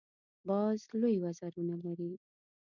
باز لوی وزرونه لري